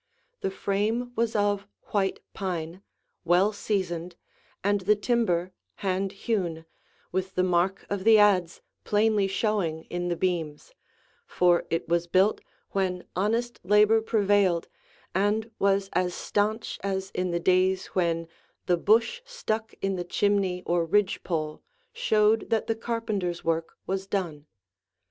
The frame was of white pine, well seasoned, and the timber hand hewn, with the mark of the adze plainly showing in the beams, for it was built when honest labor prevailed and was as stanch as in the days when the bush stuck in the chimney or ridge pole showed that the carpenters' work was done.